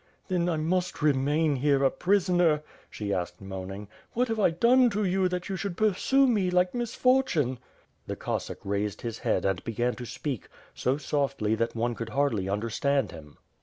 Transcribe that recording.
"Then I must remain here a prisoner?" she asked moaning. ^^What have I done to you that you should pursue me like misfortune?" The Coesack raised his head and began to speak, so softly that one could hardly understand him.